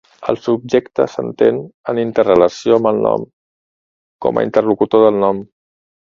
El subjecte s’entén en interrelació amb el món, com a interlocutor del món.